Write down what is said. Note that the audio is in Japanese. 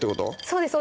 そうです